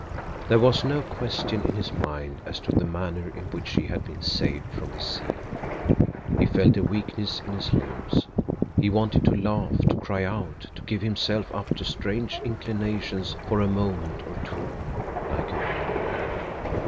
There was no question in his mind as to the manner in which she had been saved from the sea. He felt a weakness in his limbs; he wanted to laugh, to cry out, to give himself up to strange inclinations for a moment or two, like a woman.